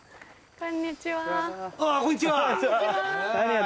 こんにちは。